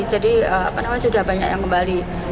sudah banyak yang kembali